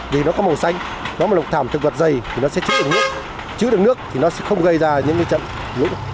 vì nó có màu xanh nó mà lục thảm thực vật dày thì nó sẽ chứa đứng nước chứa đứng nước thì nó sẽ không gây ra những trận lũ